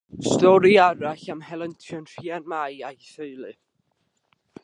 Stori arall am helyntion Rhian Mai a'i theulu.